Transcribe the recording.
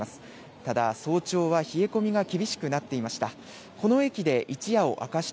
ただ早朝は冷え込みが厳しくなっていました。